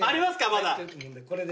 まだ。